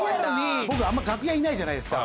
僕あんまり楽屋いないじゃないですか。